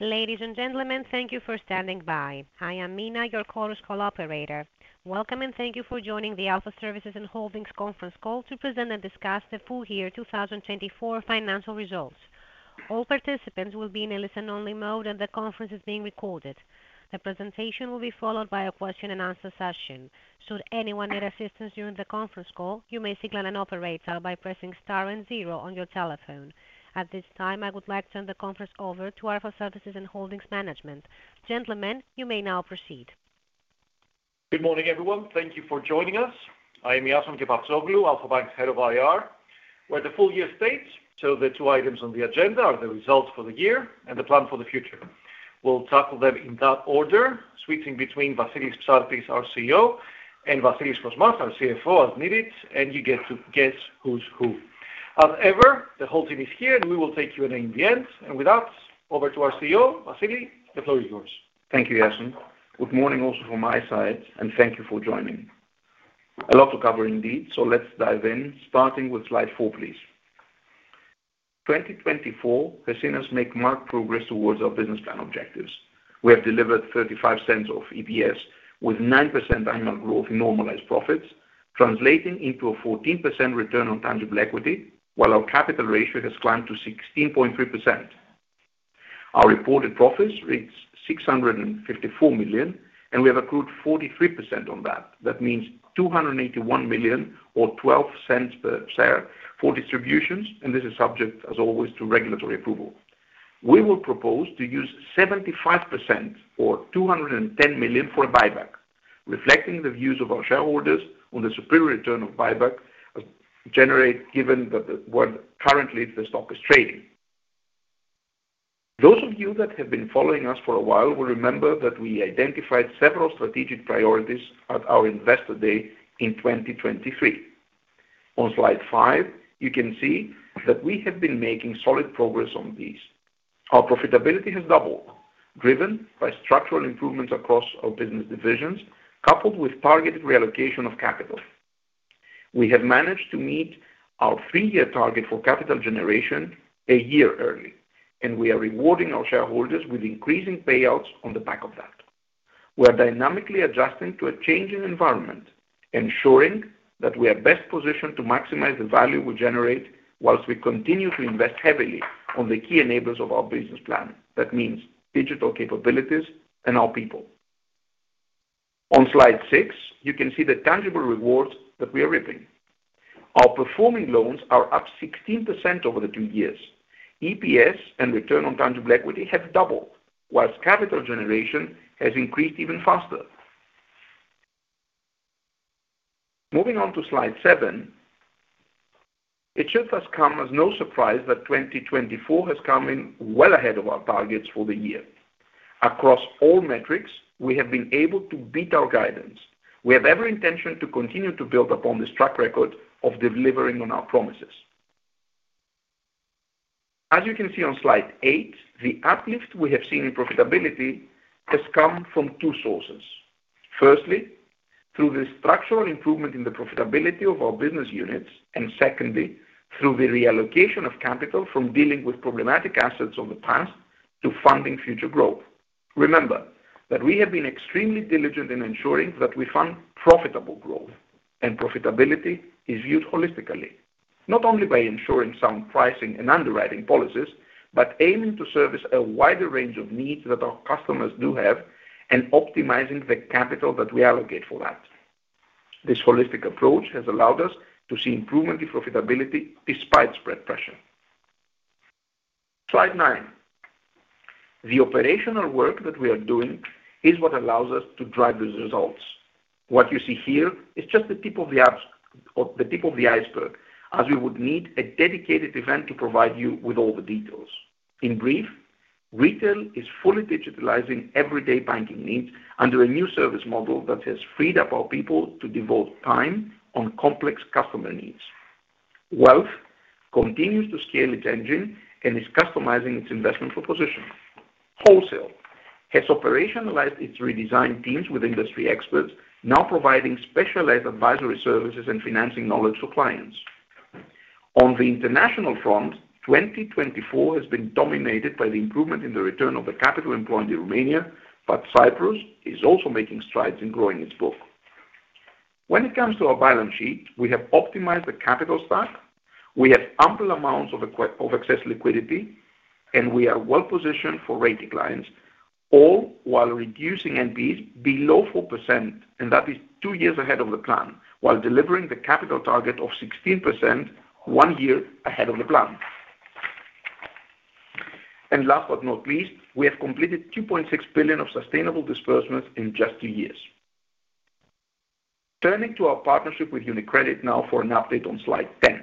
Ladies and gentlemen, thank you for standing by. I am Mina, your call operator. Welcome and thank you for joining the Alpha Services and Holdings conference call to present and discuss the full year 2024 financial results. All participants will be in a listen-only mode, and the conference is being recorded. The presentation will be followed by a question-and-answer session. Should anyone need assistance during the conference call, you may signal an operator by pressing star and zero on your telephone. At this time, I would like to turn the conference over to Alpha Services and Holdings management. Gentlemen, you may now proceed. Good morning, everyone. Thank you for joining us. I am Iason Kepaptsoglou, Alpha Bank's head of IR. We're at the full year stage, so the two items on the agenda are the results for the year and the plan for the future. We'll tackle them in that order, switching between Vassilios Psaltis, our CEO, and Vasilis Kosmas, our CFO, as needed, and you get to guess who's who. As ever, the whole team is here, and we will take Q&A in the end, and with that, over to our CEO, Vasili. The floor is yours. Thank you, Iason. Good morning also from my side, and thank you for joining. A lot to cover indeed, so let's dive in, starting with slide four, please. 2024 has seen us make marked progress towards our business plan objectives. We have delivered 35% of EPS with 9% annual growth in normalized profits, translating into a 14% return on tangible equity, while our capital ratio has climbed to 16.3%. Our reported profits reach 654 million, and we have accrued 43% on that. That means 281 million or 0.12 per share for distributions, and this is subject, as always, to regulatory approval. We will propose to use 75% or 210 million for a buyback, reflecting the views of our shareholders on the superior return of buyback generated given where currently the stock is trading. Those of you that have been following us for a while will remember that we identified several strategic priorities at our investor day in 2023. On slide five, you can see that we have been making solid progress on these. Our profitability has doubled, driven by structural improvements across our business divisions, coupled with targeted reallocation of capital. We have managed to meet our three-year target for capital generation a year early, and we are rewarding our shareholders with increasing payouts on the back of that. We are dynamically adjusting to a changing environment, ensuring that we are best positioned to maximize the value we generate whilst we continue to invest heavily on the key enablers of our business plan. That means digital capabilities and our people. On slide six, you can see the tangible rewards that we are reaping. Our performing loans are up 16% over the two years. EPS and return on tangible equity have doubled, while capital generation has increased even faster. Moving on to slide seven, it should thus come as no surprise that 2024 has come in well ahead of our targets for the year. Across all metrics, we have been able to beat our guidance. We have every intention to continue to build upon the track record of delivering on our promises. As you can see on slide eight, the uplift we have seen in profitability has come from two sources. Firstly, through the structural improvement in the profitability of our business units, and secondly, through the reallocation of capital from dealing with problematic assets of the past to funding future growth. Remember that we have been extremely diligent in ensuring that we fund profitable growth, and profitability is viewed holistically, not only by ensuring sound pricing and underwriting policies, but aiming to service a wider range of needs that our customers do have and optimizing the capital that we allocate for that. This holistic approach has allowed us to see improvement in profitability despite spread pressure. Slide nine. The operational work that we are doing is what allows us to drive these results. What you see here is just the tip of the iceberg, as we would need a dedicated event to provide you with all the details. In brief, retail is fully digitalizing everyday banking needs under a new service model that has freed up our people to devote time on complex customer needs. Wealth continues to scale its engine and is customizing its investment proposition. Wholesale has operationalized its redesigned teams with industry experts, now providing specialized advisory services and financing knowledge for clients. On the international front, 2024 has been dominated by the improvement in the return on the capital employed in Romania, but Cyprus is also making strides in growing its book. When it comes to our balance sheet, we have optimized the capital stack, we have ample amounts of excess liquidity, and we are well-positioned for rate declines, all while reducing NPEs below 4%, and that is two years ahead of the plan, while delivering the capital target of 16% one year ahead of the plan, and last but not least, we have completed €2.6 billion of sustainable disbursements in just two years. Turning to our partnership with UniCredit now for an update on slide 10.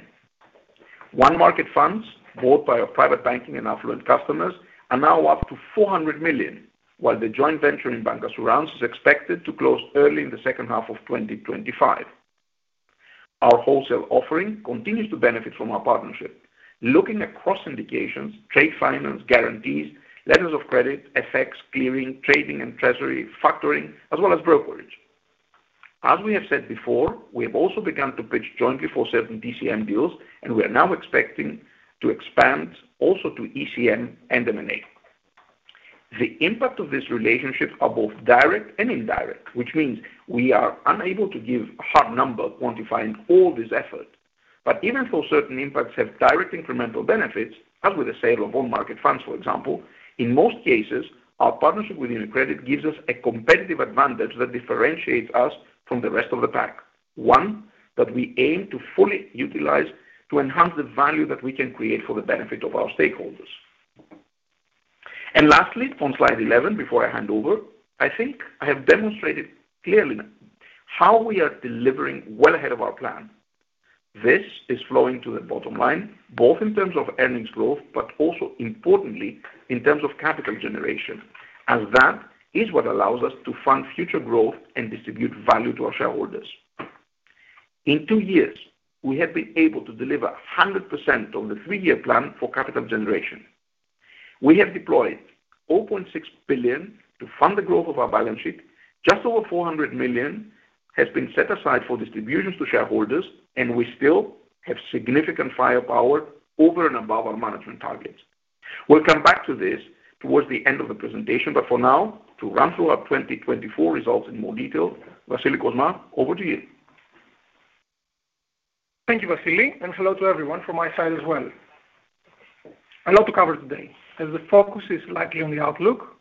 onemarkets Funds, bought by our private banking and affluent customers, are now up to 400 million, while the joint venture in bancassurance is expected to close early in the second half of 2025. Our wholesale offering continues to benefit from our partnership, looking at cross-indications, trade finance guarantees, letters of credit, FX clearing, trading and treasury factoring, as well as brokerage. As we have said before, we have also begun to pitch jointly for certain DCM deals, and we are now expecting to expand also to ECM and M&A. The impact of this relationship are both direct and indirect, which means we are unable to give a hard number quantifying all this effort. But even though certain impacts have direct incremental benefits, as with the sale of OneMarkets Funds, for example, in most cases, our partnership with UniCredit gives us a competitive advantage that differentiates us from the rest of the pack. One, that we aim to fully utilize to enhance the value that we can create for the benefit of our stakeholders, and lastly, on slide 11, before I hand over, I think I have demonstrated clearly how we are delivering well ahead of our plan. This is flowing to the bottom line, both in terms of earnings growth, but also importantly, in terms of capital generation, as that is what allows us to fund future growth and distribute value to our shareholders. In two years, we have been able to deliver 100% of the three-year plan for capital generation. We have deployed €0.6 billion to fund the growth of our balance sheet. Just over €400 million has been set aside for distributions to shareholders, and we still have significant firepower over and above our management targets. We'll come back to this towards the end of the presentation, but for now, to run through our 2024 results in more detail, Vasilis Kosmas, over to you. Thank you, Vassilios, and hello to everyone from my side as well. A lot to cover today. As the focus is likely on the outlook,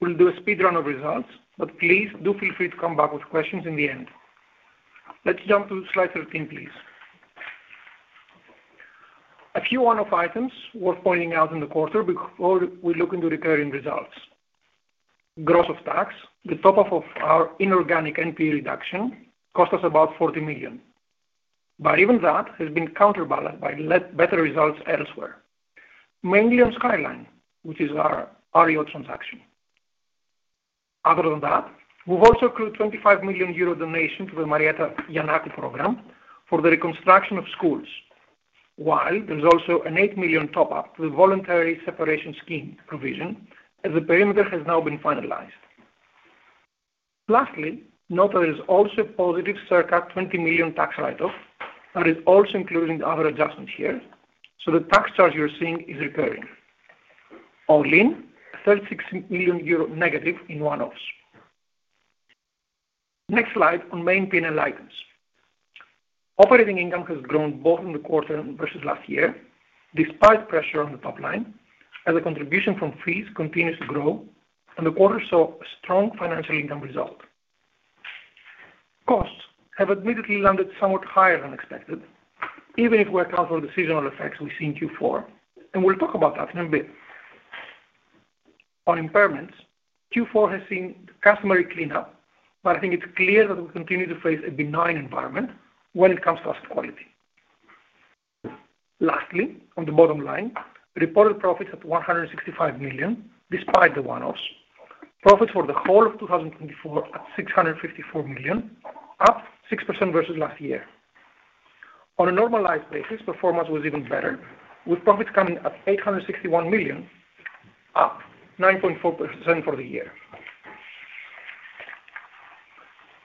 we'll do a speed run of results, but please do feel free to come back with questions in the end. Let's jump to slide 13, please. A few one-off items worth pointing out in the quarter before we look into recurring results. Gross of tax, the top-up of our inorganic NPE reduction cost us about 40 million. But even that has been counterbalanced by better results elsewhere, mainly on Project Skyline, which is our REO transaction. Other than that, we've also accrued 25 million euro donation to the Marietta Giannakou Program for the reconstruction of schools, while there's also an 8 million top-up to the voluntary separation scheme provision, as the perimeter has now been finalized. Lastly, note that there is also a positive circa 20 million tax write-off that is also including other adjustments here, so the tax charge you're seeing is recurring. All in, 36 million euro negative in one-offs. Next slide on main P&L items. Operating income has grown both in the quarter versus last year, despite pressure on the top line, as the contribution from fees continues to grow, and the quarter saw a strong financial income result. Costs have admittedly landed somewhat higher than expected, even if we account for the seasonal effects we see in Q4, and we'll talk about that in a bit. On impairments, Q4 has seen customary cleanup, but I think it's clear that we continue to face a benign environment when it comes to asset quality. Lastly, on the bottom line, reported profits at 165 million, despite the one-offs. Profits for the whole of 2024 at €654 million, up 6% versus last year. On a normalized basis, performance was even better, with profits coming at €861 million, up 9.4% for the year.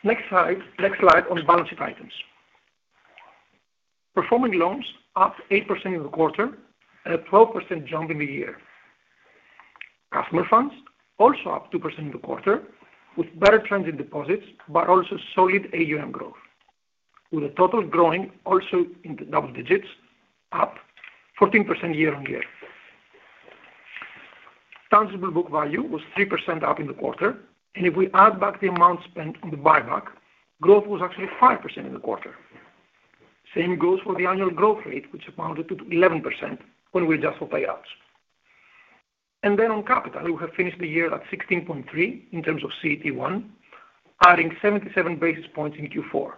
Next slide on balance sheet items. Performing loans up 8% in the quarter, and a 12% jump in the year. Customer funds also up 2% in the quarter, with better trends in deposits, but also solid AUM growth, with the total growing also in the double digits, up 14% year on year. Tangible book value was 3% up in the quarter, and if we add back the amount spent on the buyback, growth was actually 5% in the quarter. Same goes for the annual growth rate, which amounted to 11% when we adjust for payouts. Then on capital, we have finished the year at 16.3 in terms of CET1, adding 77 basis points in Q4,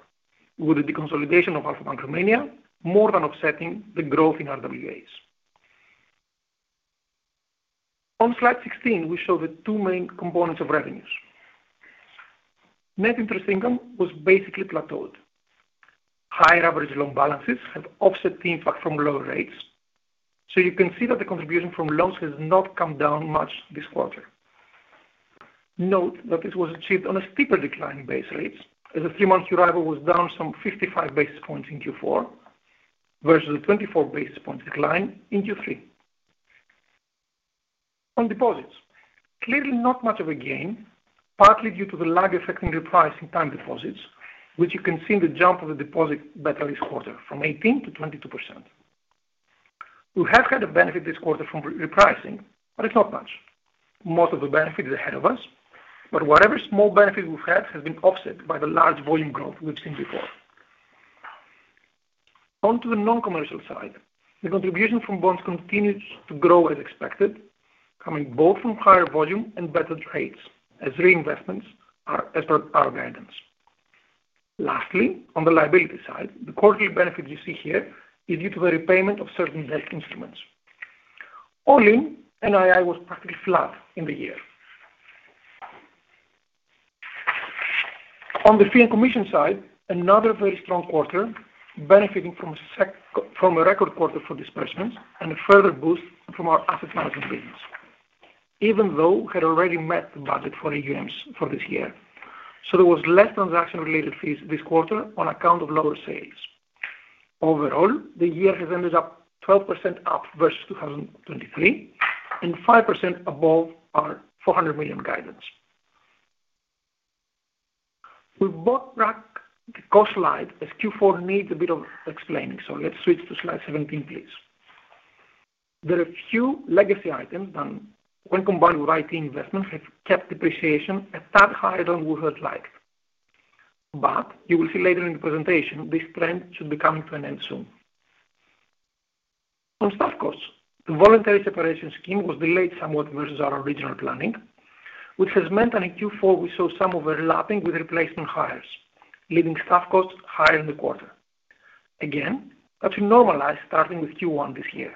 with the deconsolidation of Alpha Bank Romania more than offsetting the growth in RWAs. On slide 16, we show the two main components of revenues. Net interest income was basically plateaued. Higher average loan balances have offset the impact from lower rates, so you can see that the contribution from loans has not come down much this quarter. Note that this was achieved on a steeper decline in base rates, as the three-month Euribor was down some 55 basis points in Q4 versus a 24 basis point decline in Q3. On deposits, clearly not much of a gain, partly due to the lag affecting repricing time deposits, which you can see in the jump of the deposit beta this quarter, from 18 to 22%. We have had a benefit this quarter from repricing, but it's not much. Most of the benefit is ahead of us, but whatever small benefit we've had has been offset by the large volume growth we've seen before. Onto the non-commercial side, the contribution from bonds continues to grow as expected, coming both from higher volume and better trades, as reinvestments are our guidance. Lastly, on the liability side, the quarterly benefit you see here is due to the repayment of certain debt instruments. All in, NII was practically flat in the year. On the fee and commission side, another very strong quarter, benefiting from a record quarter for disbursements and a further boost from our asset management business, even though we had already met the budget for AUMs for this year, so there was less transaction-related fees this quarter on account of lower sales. Overall, the year has ended up 12% up versus 2023, and 5% above our 400 million guidance. We've brought back the cost slide as Q4 needs a bit of explaining, so let's switch to slide 17, please. There are a few legacy items that, when combined with IT investments, have kept depreciation at that higher than we had liked. But you will see later in the presentation, this trend should be coming to an end soon. On staff costs, the voluntary separation scheme was delayed somewhat versus our original planning, which has meant that in Q4 we saw some overlapping with replacement hires, leaving staff costs higher in the quarter. Again, that should normalize starting with Q1 this year.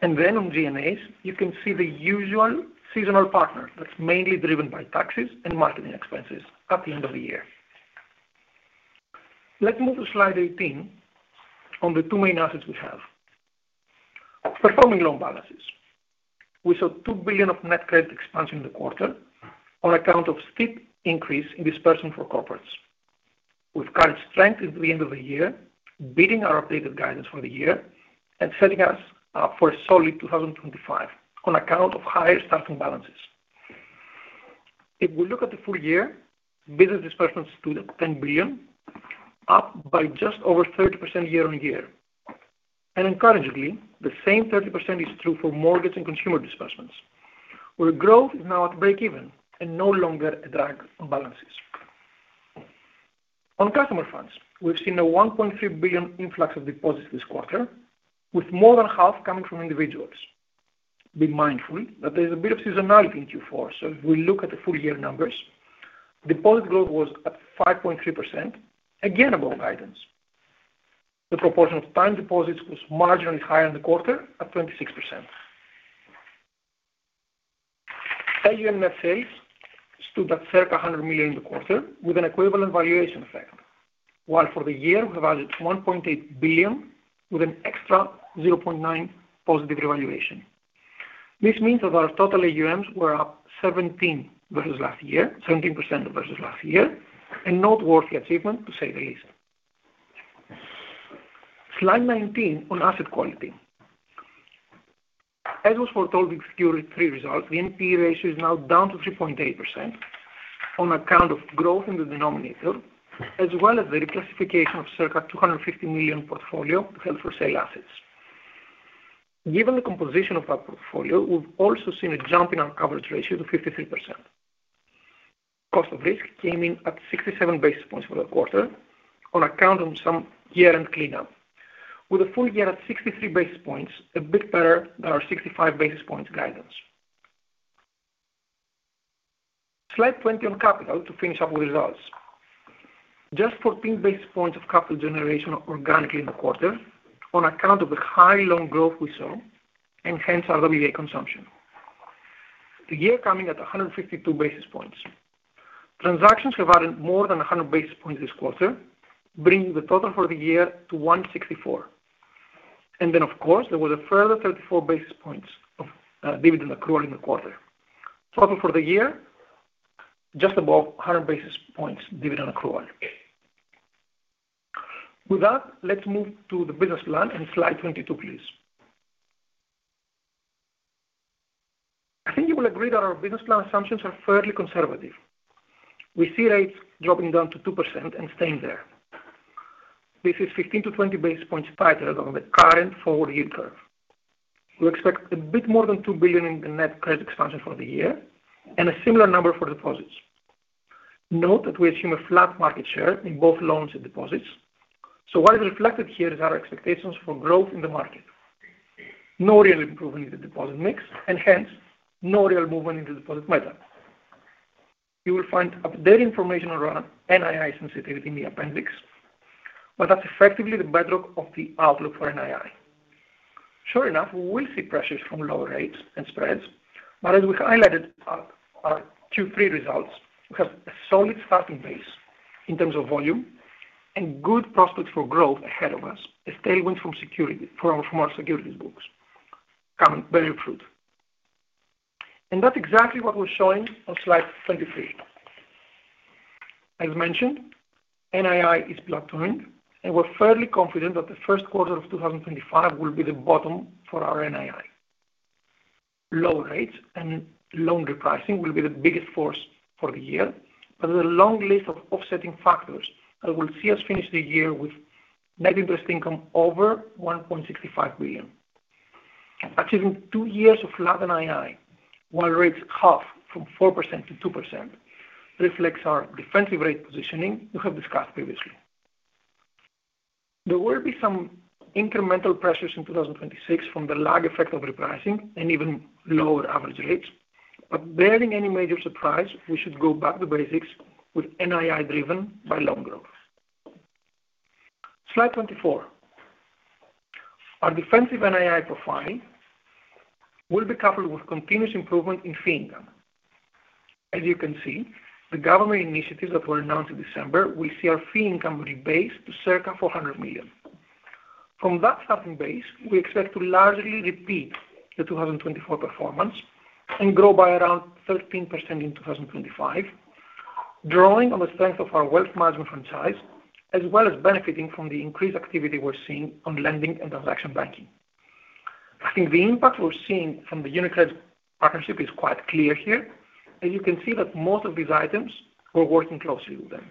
And then on G&As, you can see the usual seasonal pattern that's mainly driven by taxes and marketing expenses at the end of the year. Let's move to slide 18 on the two main assets we have. Performing loan balances. We saw €2 billion of net credit expansion in the quarter on account of steep increase in disbursement for corporates. We've carried strength into the end of the year, beating our updated guidance for the year and setting us up for a solid 2025 on account of higher starting balances. If we look at the full year, business disbursements to the €10 billion, up by just over 30% year on year, and encouragingly, the same 30% is true for mortgage and consumer disbursements, where growth is now at break-even and no longer a drag on balances. On customer funds, we've seen a €1.3 billion influx of deposits this quarter, with more than half coming from individuals. Be mindful that there's a bit of seasonality in Q4, so if we look at the full year numbers, deposit growth was at 5.3%, again above guidance. The proportion of time deposits was marginally higher in the quarter at 26%. AUM net sales stood at circa 100 million in the quarter, with an equivalent valuation effect, while for the year we valued 1.8 billion with an extra 0.9 billion positive revaluation. This means that our total AUMs were up 17% versus last year, 17% versus last year, a noteworthy achievement to say the least. Slide 19 on asset quality. As was foretold with Q3 results, the NPE ratio is now down to 3.8% on account of growth in the denominator, as well as the reclassification of circa 250 million portfolio held for sale assets. Given the composition of that portfolio, we've also seen a jump in our coverage ratio to 53%. Cost of risk came in at 67 basis points for the quarter on account of some year-end cleanup, with a full year at 63 basis points, a bit better than our 65 basis points guidance. Slide 20 on capital to finish up with results. Just 14 basis points of capital generation organically in the quarter on account of the high loan growth we saw, and hence RWA consumption. The year coming at 152 basis points. Transactions have added more than 100 basis points this quarter, bringing the total for the year to 164. And then, of course, there was a further 34 basis points of dividend accrual in the quarter. Total for the year, just above 100 basis points dividend accrual. With that, let's move to the business plan and slide 22, please. I think you will agree that our business plan assumptions are fairly conservative. We see rates dropping down to 2% and staying there. This is 15-20 basis points tighter than the current four-year curve. We expect a bit more than 2 billion in the net credit expansion for the year, and a similar number for deposits. Note that we assume a flat market share in both loans and deposits, so what is reflected here is our expectations for growth in the market. No real improvement in the deposit mix, and hence no real movement in the deposit beta. You will find updated information around NII sensitivity in the appendix, but that's effectively the bedrock of the outlook for NII. Sure enough, we will see pressures from lower rates and spreads, but as we highlighted our Q3 results, we have a solid starting base in terms of volume and good prospects for growth ahead of us, a tailwind from our securities books, coming very prudently. And that's exactly what we're showing on slide 23. As mentioned, NII is plateauing, and we're fairly confident that the first quarter of 2025 will be the bottom for our NII. Lower rates and loan repricing will be the biggest force for the year, but there's a long list of offsetting factors that will see us finish the year with net interest income over 1.65 billion. Achieving two years of flat NII, while rates half from 4% to 2%, reflects our defensive rate positioning we have discussed previously. There will be some incremental pressures in 2026 from the lag effect of repricing and even lower average rates, but bearing any major surprise, we should go back to basics with NII driven by loan growth. Slide 24. Our defensive NII profile will be coupled with continuous improvement in fee income. As you can see, the government initiatives that were announced in December. We see our fee income rebase to circa €400 million. From that starting base, we expect to largely repeat the 2024 performance and grow by around 13% in 2025, drawing on the strength of our wealth management franchise, as well as benefiting from the increased activity we're seeing on lending and transaction banking. I think the impact we're seeing from the UniCredit partnership is quite clear here, as you can see that most of these items we're working closely with them.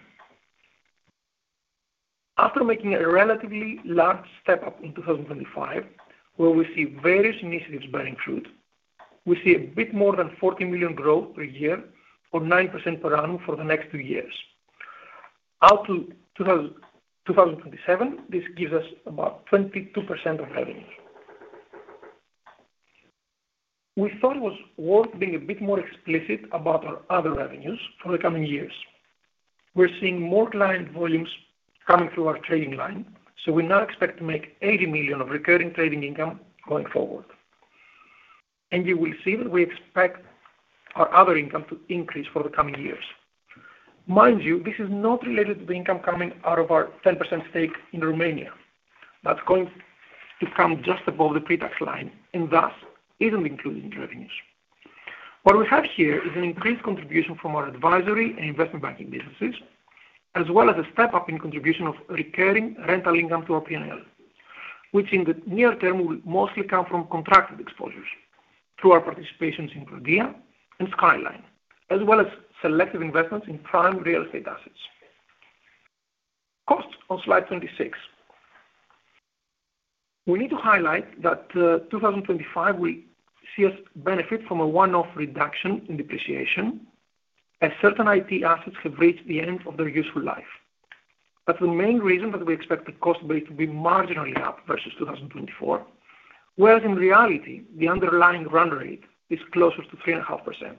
After making a relatively large step up in 2025, where we see various initiatives bearing fruit, we see a bit more than 40 million growth per year or 9% per annum for the next two years. Out to 2027, this gives us about 22% of revenue. We thought it was worth being a bit more explicit about our other revenues for the coming years. We're seeing more client volumes coming through our trading line, so we now expect to make 80 million of recurring trading income going forward. And you will see that we expect our other income to increase for the coming years. Mind you, this is not related to the income coming out of our 10% stake in Romania. That's going to come just above the pre-tax line and thus isn't included in the revenues. What we have here is an increased contribution from our advisory and investment banking businesses, as well as a step-up in contribution of recurring rental income to our P&L, which in the near term will mostly come from contracted exposures through our participations in Prodea and Skyline, as well as selective investments in prime real estate assets. Costs on slide 26. We need to highlight that 2025 will see us benefit from a one-off reduction in depreciation as certain IT assets have reached the end of their useful life. That's the main reason that we expect the cost base to be marginally up versus 2024, whereas in reality, the underlying run rate is closer to 3.5%.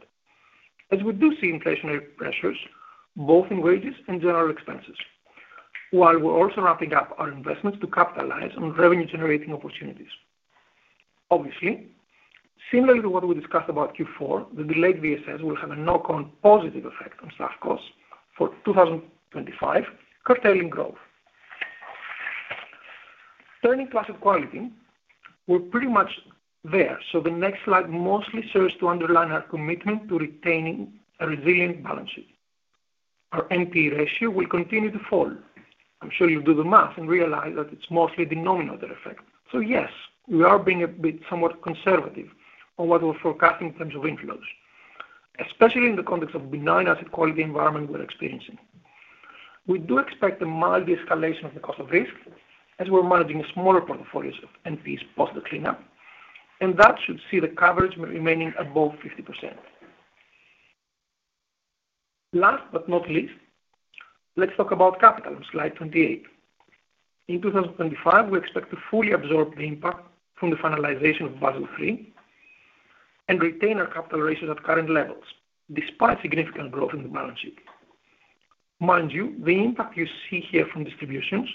As we do see inflationary pressures, both in wages and general expenses, while we're also ramping up our investments to capitalize on revenue-generating opportunities. Obviously, similarly to what we discussed about Q4, the delayed VSS will have a knock-on positive effect on staff costs for 2025, curtailing growth. Turning to asset quality, we're pretty much there, so the next slide mostly serves to underline our commitment to retaining a resilient balance sheet. Our NP ratio will continue to fall. I'm sure you'll do the math and realize that it's mostly denominator effect. So yes, we are being a bit somewhat conservative on what we're forecasting in terms of inflows, especially in the context of benign asset quality environment we're experiencing. We do expect a mild de-escalation of the cost of risk as we're managing smaller portfolios of NPs post the cleanup, and that should see the coverage remaining above 50%. Last but not least, let's talk about capital on slide 28. In 2025, we expect to fully absorb the impact from the finalization of Basel III and retain our capital ratios at current levels, despite significant growth in the balance sheet. Mind you, the impact you see here from distributions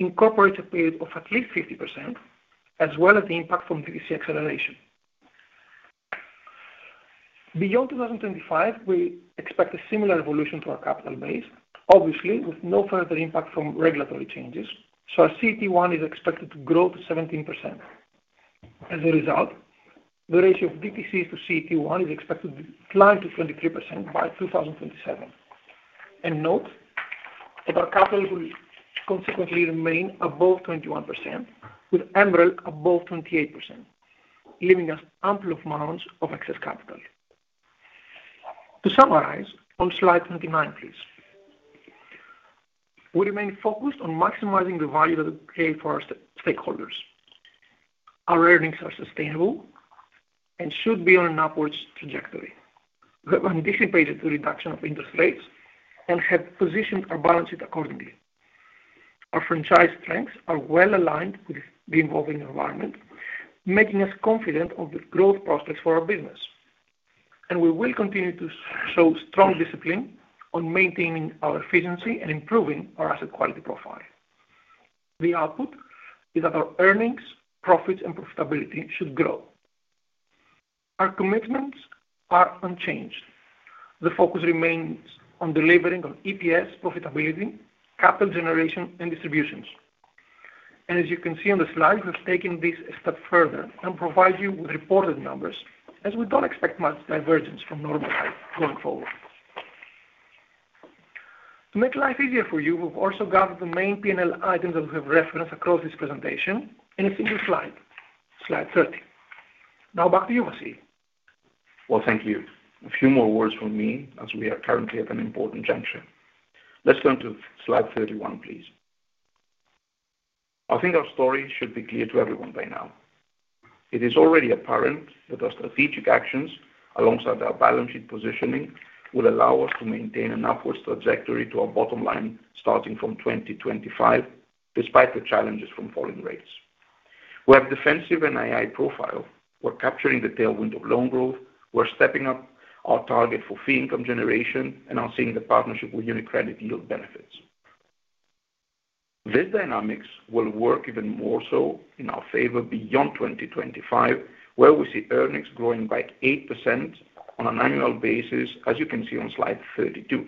incorporates a period of at least 50%, as well as the impact from DTC acceleration. Beyond 2025, we expect a similar evolution to our capital base, obviously with no further impact from regulatory changes, so our CET1 is expected to grow to 17%. As a result, the ratio of DTCs to CET1 is expected to decline to 23% by 2027. And note that our capital will consequently remain above 21%, with MREL above 28%, leaving us ample amounts of excess capital. To summarize on slide 29, please. We remain focused on maximizing the value that we create for our stakeholders. Our earnings are sustainable and should be on an upward trajectory. We have anticipated the reduction of interest rates and have positioned our balance sheet accordingly. Our franchise strengths are well aligned with the evolving environment, making us confident of the growth prospects for our business. And we will continue to show strong discipline on maintaining our efficiency and improving our asset quality profile. The output is that our earnings, profits, and profitability should grow. Our commitments are unchanged. The focus remains on delivering on EPS, profitability, capital generation, and distributions. And as you can see on the slide, we've taken this a step further and provide you with reported numbers as we don't expect much divergence from normal going forward. To make life easier for you, we've also gathered the main P&L items that we have referenced across this presentation in a single slide, slide 30. Now back to you, Vassilios. Well, thank you. A few more words from me as we are currently at an important juncture. Let's turn to slide 31, please. I think our story should be clear to everyone by now. It is already apparent that our strategic actions alongside our balance sheet positioning will allow us to maintain an upward trajectory to our bottom line starting from 2025, despite the challenges from falling rates. With our defensive NII profile, we're capturing the tailwind of loan growth. We're stepping up our target for fee income generation, and I'm seeing the partnership with UniCredit yield benefits. These dynamics will work even more so in our favor beyond 2025, where we see earnings growing by 8% on an annual basis, as you can see on slide 32.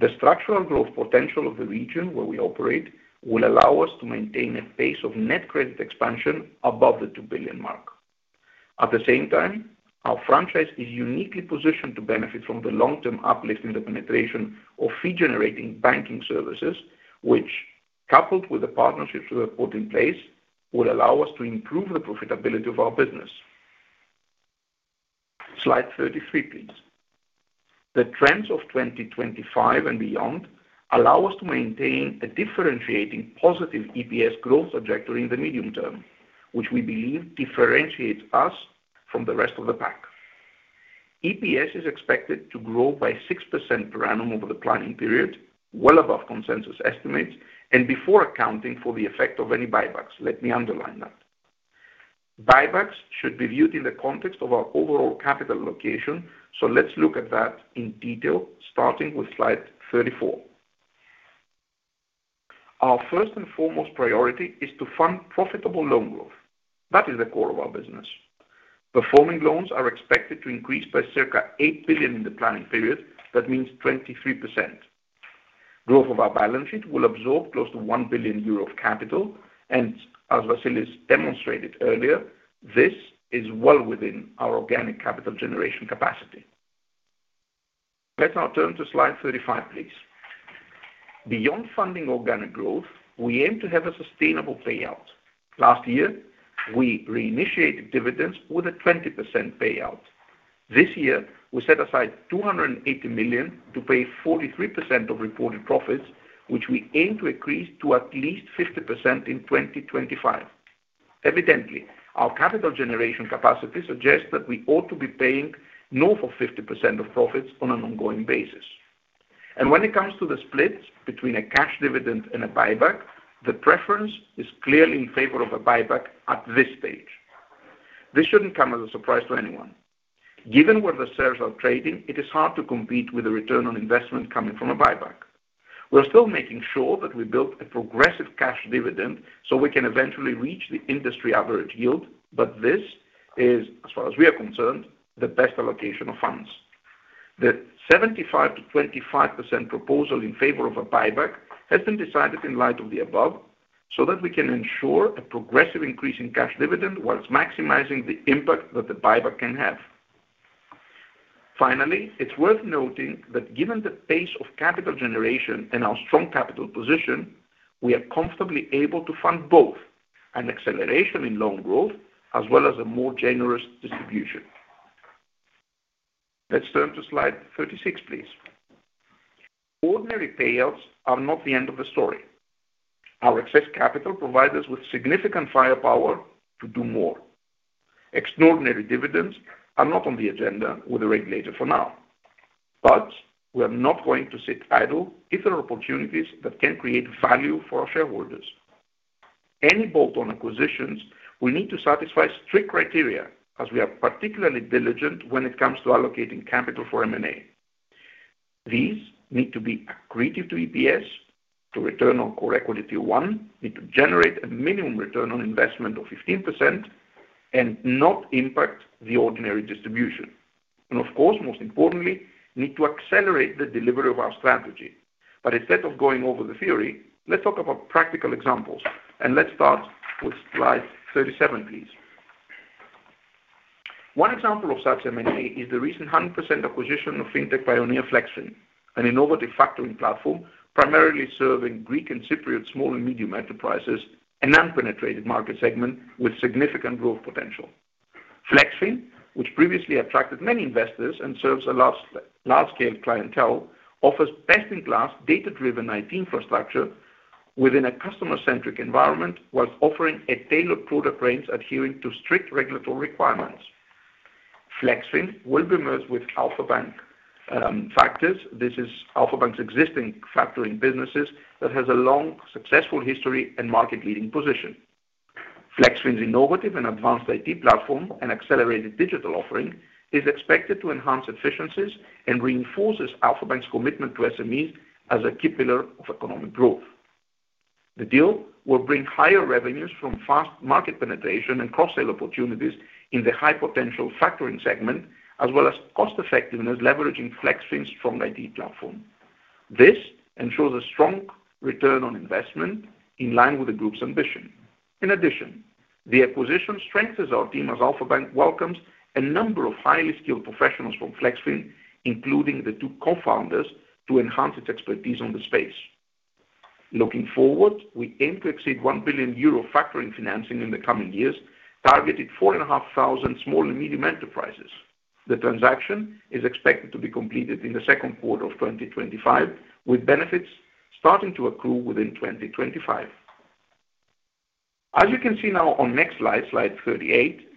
The structural growth potential of the region where we operate will allow us to maintain a pace of net credit expansion above the €2 billion mark. At the same time, our franchise is uniquely positioned to benefit from the long-term uplift in the penetration of fee-generating banking services, which, coupled with the partnerships we have put in place, will allow us to improve the profitability of our business. Slide 33, please. The trends of 2025 and beyond allow us to maintain a differentiating positive EPS growth trajectory in the medium term, which we believe differentiates us from the rest of the pack. EPS is expected to grow by 6% per annum over the planning period, well above consensus estimates, and before accounting for the effect of any buybacks. Let me underline that. Buybacks should be viewed in the context of our overall capital allocation, so let's look at that in detail, starting with slide 34. Our first and foremost priority is to fund profitable loan growth. That is the core of our business. Performing loans are expected to increase by circa 8 billion in the planning period. That means 23%. Growth of our balance sheet will absorb close to 1 billion euro of capital, and as Vassilios demonstrated earlier, this is well within our organic capital generation capacity. Let's now turn to slide 35, please. Beyond funding organic growth, we aim to have a sustainable payout. Last year, we reinitiated dividends with a 20% payout. This year, we set aside 280 million to pay 43% of reported profits, which we aim to increase to at least 50% in 2025. Evidently, our capital generation capacity suggests that we ought to be paying north of 50% of profits on an ongoing basis. When it comes to the splits between a cash dividend and a buyback, the preference is clearly in favor of a buyback at this stage. This shouldn't come as a surprise to anyone. Given where the shares are trading, it is hard to compete with the return on investment coming from a buyback. We're still making sure that we build a progressive cash dividend so we can eventually reach the industry average yield, but this is, as far as we are concerned, the best allocation of funds. The 75%-25% proposal in favor of a buyback has been decided in light of the above so that we can ensure a progressive increase in cash dividend while maximizing the impact that the buyback can have. Finally, it's worth noting that given the pace of capital generation and our strong capital position, we are comfortably able to fund both an acceleration in loan growth as well as a more generous distribution. Let's turn to slide 36, please. Ordinary payouts are not the end of the story. Our excess capital provides us with significant firepower to do more. Extraordinary dividends are not on the agenda with the regulator for now, but we are not going to sit idle if there are opportunities that can create value for our shareholders. Any bolt-on acquisitions will need to satisfy strict criteria as we are particularly diligent when it comes to allocating capital for M&A. These need to be accretive to EPS, to return on core equity to one, need to generate a minimum return on investment of 15%, and not impact the ordinary distribution. And of course, most importantly, need to accelerate the delivery of our strategy. But instead of going over the theory, let's talk about practical examples, and let's start with slide 37, please. One example of such M&A is the recent 100% acquisition of FinTech Pioneer Flexfin, an innovative factoring platform primarily serving Greek and Cypriot small and medium enterprises, a non-penetrated market segment with significant growth potential. Flexfin, which previously attracted many investors and serves a large-scale clientele, offers best-in-class data-driven IT infrastructure within a customer-centric environment whilst offering a tailored product range adhering to strict regulatory requirements. Flexfin will be merged with Alpha Bank Factors. This is Alpha Bank's existing factoring businesses that has a long successful history and market-leading position. Flexfin's innovative and advanced IT platform and accelerated digital offering is expected to enhance efficiencies and reinforces Alpha Bank's commitment to SMEs as a key pillar of economic growth. The deal will bring higher revenues from fast market penetration and cross-sale opportunities in the high-potential factoring segment, as well as cost-effectiveness leveraging Flexfin's strong IT platform. This ensures a strong return on investment in line with the group's ambition. In addition, the acquisition strengthens our team as Alpha Bank welcomes a number of highly skilled professionals from Flexfin, including the two co-founders, to enhance its expertise on the space. Looking forward, we aim to exceed 1 billion euro factoring financing in the coming years, targeted 4,500 small and medium enterprises. The transaction is expected to be completed in the second quarter of 2025, with benefits starting to accrue within 2025. As you can see now on next slide, slide 38,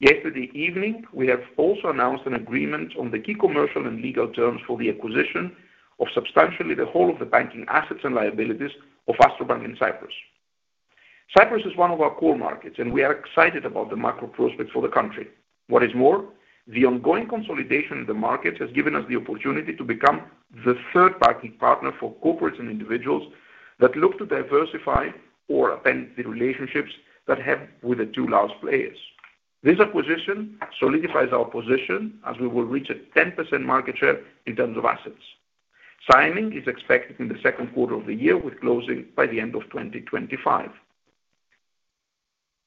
yesterday evening, we have also announced an agreement on the key commercial and legal terms for the acquisition of substantially the whole of the banking assets and liabilities of AstroBank in Cyprus. Cyprus is one of our core markets, and we are excited about the macro prospects for the country. What is more, the ongoing consolidation in the market has given us the opportunity to become the third-party partner for corporates and individuals that look to diversify or upend the relationships that have with the two large players. This acquisition solidifies our position as we will reach a 10% market share in terms of assets. Signing is expected in the second quarter of the year, with closing by the end of 2025.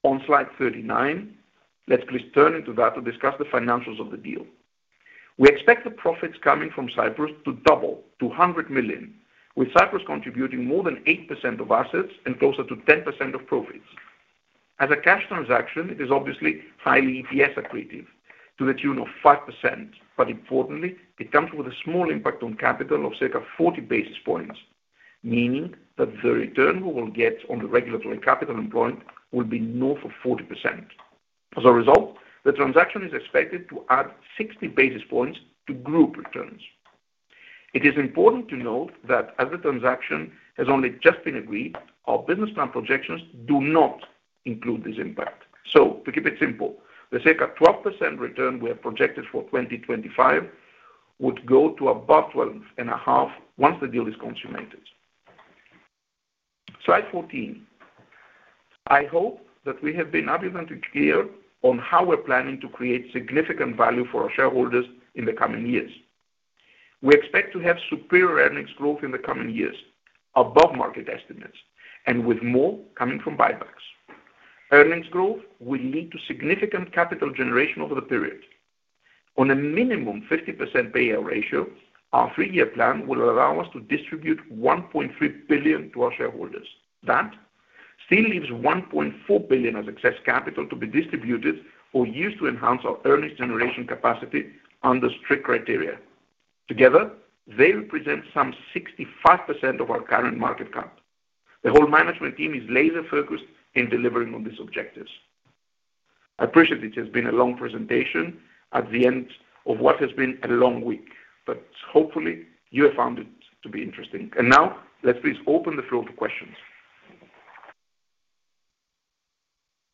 On slide 39, let's please turn to that to discuss the financials of the deal. We expect the profits coming from Cyprus to double to €100 million, with Cyprus contributing more than 8% of assets and closer to 10% of profits. As a cash transaction, it is obviously highly EPS accretive to the tune of 5%, but importantly, it comes with a small impact on capital of circa 40 basis points, meaning that the return we will get on the regulatory capital employed will be north of 40%. As a result, the transaction is expected to add 60 basis points to group returns. It is important to note that as the transaction has only just been agreed, our business plan projections do not include this impact. So, to keep it simple, the circa 12% return we have projected for 2025 would go to above 12 and a half once the deal is consummated. Slide 14. I hope that we have been able to clear on how we're planning to create significant value for our shareholders in the coming years. We expect to have superior earnings growth in the coming years, above market estimates, and with more coming from buybacks. Earnings growth will lead to significant capital generation over the period. On a minimum 50% payout ratio, our three-year plan will allow us to distribute 1.3 billion to our shareholders. That still leaves 1.4 billion as excess capital to be distributed or used to enhance our earnings generation capacity under strict criteria. Together, they represent some 65% of our current market cap. The whole management team is laser-focused in delivering on these objectives. I appreciate it has been a long presentation at the end of what has been a long week, but hopefully, you have found it to be interesting. Now, let's please open the floor to questions.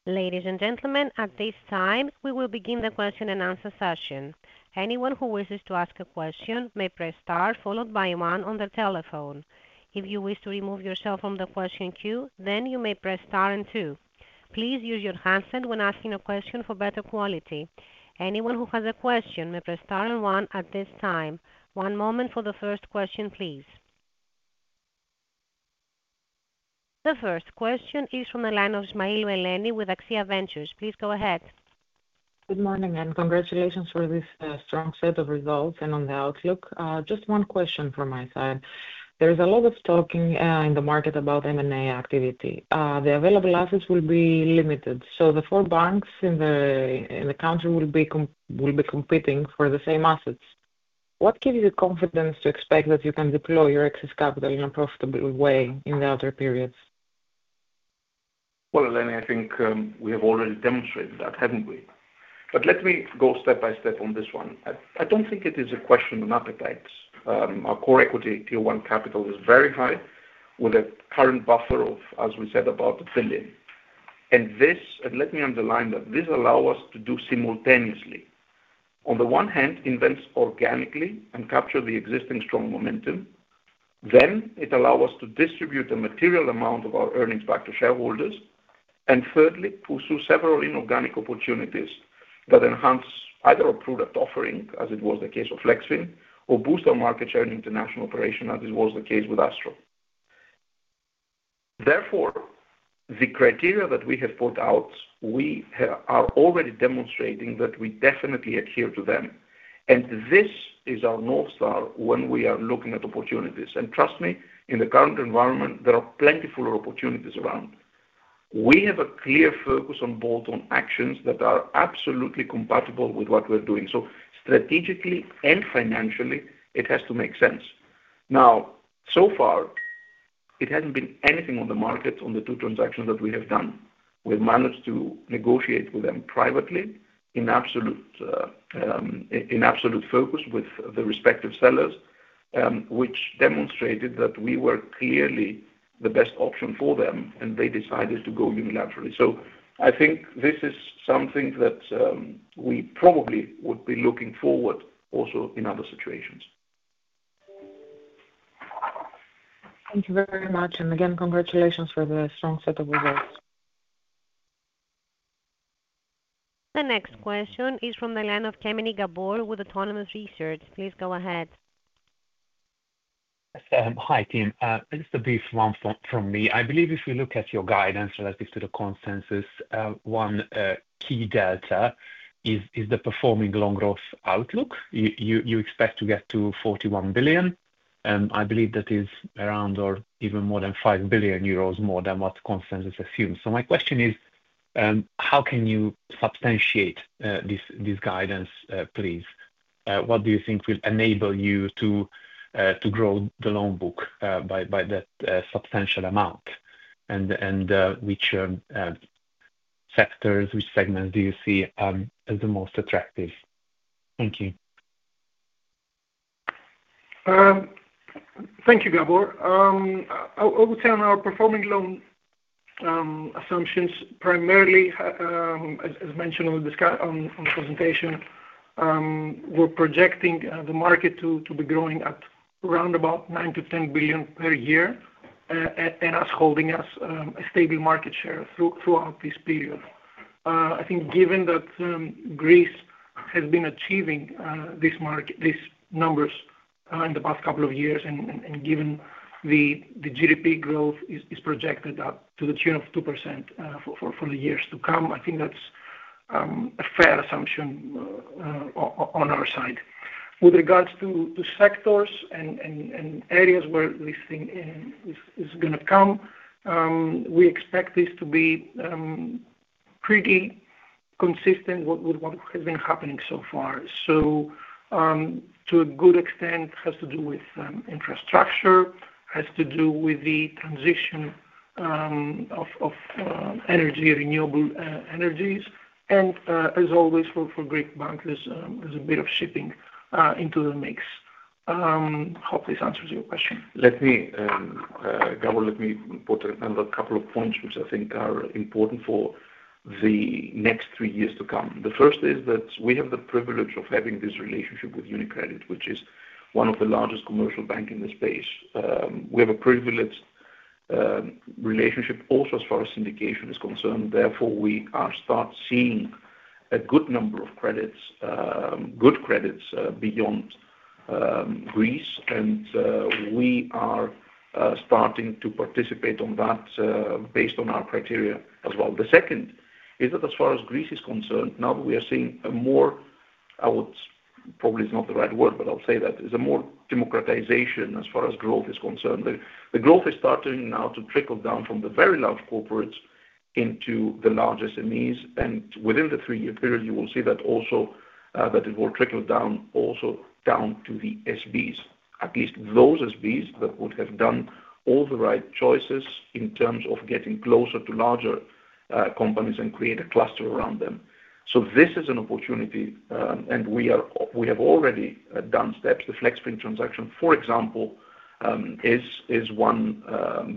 Ladies and gentlemen, at this time, we will begin the question and answer session. Anyone who wishes to ask a question may press star followed by one on the telephone. If you wish to remove yourself from the question queue, then you may press star and two. Please use your hands when asking a question for better quality. Anyone who has a question may press star and one at this time. One moment for the first question, please. The first question is from the line of Ismailou Eleni with Axia Ventures. Please go ahead. Good morning and congratulations for this strong set of results and on the outlook. Just one question from my side. There is a lot of talking in the market about M&A activity. The available assets will be limited, so the four banks in the country will be competing for the same assets. What gives you confidence to expect that you can deploy your excess capital in a profitable way in the outer periods? Well, Veleni, I think we have already demonstrated that, haven't we? But let me go step by step on this one. I don't think it is a question of appetites. Our Core Equity Tier 1 capital is very high, with a current buffer of, as we said, about €1 billion. And let me underline that this allows us to do simultaneously. On the one hand, invest organically and capture the existing strong momentum. Then, it allows us to distribute a material amount of our earnings back to shareholders. And thirdly, pursue several inorganic opportunities that enhance either our product offering, as it was the case of Flexfin, or boost our market share in international operation, as it was the case with Astro. Therefore, the criteria that we have put out, we are already demonstrating that we definitely adhere to them, and this is our north star when we are looking at opportunities. And trust me, in the current environment, there are plentiful opportunities around. We have a clear focus on bolt-on actions that are absolutely compatible with what we're doing. So strategically and financially, it has to make sense. Now, so far, it hasn't been anything on the market on the two transactions that we have done. We've managed to negotiate with them privately in absolute focus with the respective sellers, which demonstrated that we were clearly the best option for them, and they decided to go unilaterally. So I think this is something that we probably would be looking forward to also in other situations. Thank you very much, and again, congratulations for the strong set of results. The next question is from the line of Kemeny Gabor with Autonomous Research. Please go ahead. Hi, team. Just a brief one from me. I believe if we look at your guidance relative to the consensus, one key data is the performing loan growth outlook. You expect to get to 41 billion. I believe that is around or even more than 5 billion euros more than what consensus assumes. So my question is, how can you substantiate this guidance, please? What do you think will enable you to grow the loan book by that substantial amount? And which sectors, which segments do you see as the most attractive? Thank you. Thank you, Gabor. I would say on our performing loan assumptions, primarily, as mentioned on the presentation, we're projecting the market to be growing at around about €9-€10 billion per year, and us holding a stable market share throughout this period. I think given that Greece has been achieving these numbers in the past couple of years, and given the GDP growth is projected to the tune of 2% for the years to come, I think that's a fair assumption on our side. With regards to sectors and areas where this thing is going to come, we expect this to be pretty consistent with what has been happening so far. So to a good extent, it has to do with infrastructure, has to do with the transition of energy, renewable energies, and as always, for Greek banks, there's a bit of shipping into the mix. Hopefully, this answers your question. Gabor, let me put another couple of points which I think are important for the next three years to come. The first is that we have the privilege of having this relationship with UniCredit, which is one of the largest commercial banks in the space. We have a privileged relationship also as far as syndication is concerned. Therefore, we are starting to see a good number of credits, good credits beyond Greece, and we are starting to participate on that based on our criteria as well. The second is that as far as Greece is concerned, now we are seeing a more - I would probably say it's not the right word, but I'll say that - it's a more democratization as far as growth is concerned. The growth is starting now to trickle down from the very large corporates into the large SMEs, and within the three-year period, you will see that it will trickle down also down to the SBs, at least those SBs that would have done all the right choices in terms of getting closer to larger companies and create a cluster around them, so this is an opportunity, and we have already done steps. The Flexfin transaction, for example, is one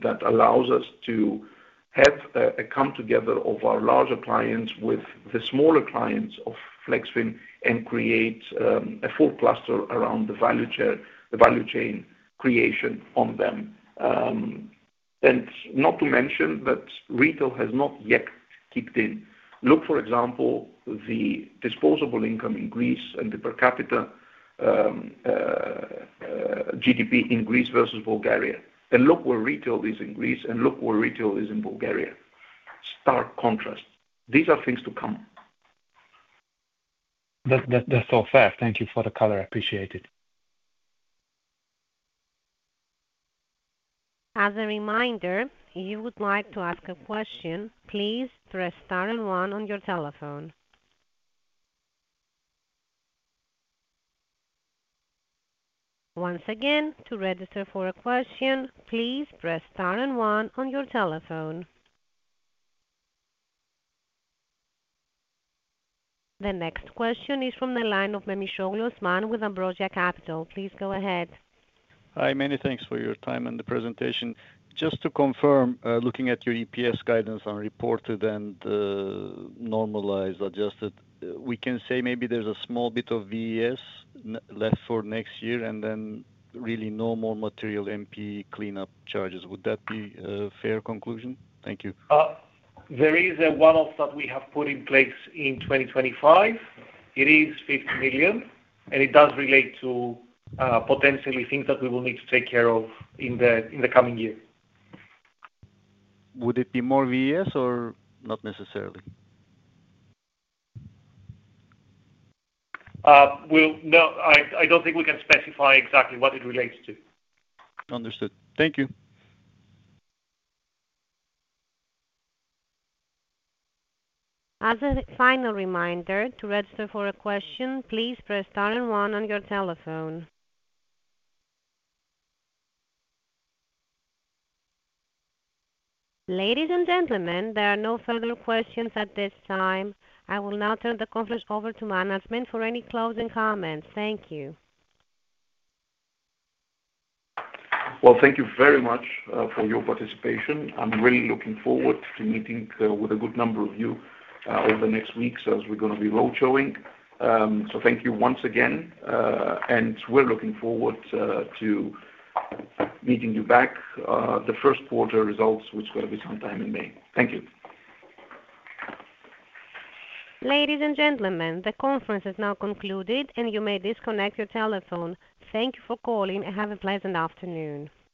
that allows us to have a come together of our larger clients with the smaller clients of Flexfin and create a full cluster around the value chain creation on them, and not to mention that retail has not yet kicked in. Look, for example, the disposable income in Greece and the per capita GDP in Greece versus Bulgaria. And look where retail is in Greece, and look where retail is in Bulgaria. Stark contrast. These are things to come. That's all fair. Thank you for the color. I appreciate it. As a reminder, if you would like to ask a question, please press star and one on your telephone. Once again, to register for a question, please press star and one on your telephone. The next question is from the line of Osman Memisoglu with Ambrosia Capital. Please go ahead. Hi, many thanks for your time and the presentation. Just to confirm, looking at your EPS guidance on reported and normalized, adjusted, we can say maybe there's a small bit of VES left for next year and then really no more material MP cleanup charges. Would that be a fair conclusion? Thank you. There is a one-off that we have put in place in 2025. It is 50 million, and it does relate to potentially things that we will need to take care of in the coming year. Would it be more VSS or not necessarily? No, I don't think we can specify exactly what it relates to. Understood. Thank you. As a final reminder, to register for a question, please press star and one on your telephone. Ladies and gentlemen, there are no further questions at this time. I will now turn the conference over to management for any closing comments. Thank you. Thank you very much for your participation. I'm really looking forward to meeting with a good number of you over the next weeks as we're going to be roadshowing. So thank you once again, and we're looking forward to meeting you at the first quarter results, which will be sometime in May. Thank you. Ladies and gentlemen, the conference is now concluded, and you may disconnect your telephone. Thank you for calling and have a pleasant afternoon.